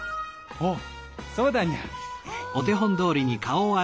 おおそうだにゃ。